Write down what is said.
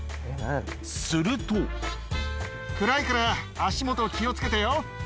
すると暗いから足元気を付けてよ。